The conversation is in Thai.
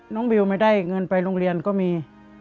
บิวไม่ได้เงินไปโรงเรียนก็มี